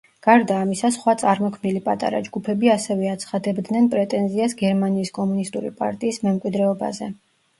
გარდა ამისა, სხვა წარმოქმნილი პატარა ჯგუფები ასევე აცხადებდნენ პრეტენზიას გერმანიის კომუნისტური პარტიის მემკვიდრეობაზე.